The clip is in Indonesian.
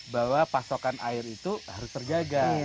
bahwa pasokan air itu harus terjaga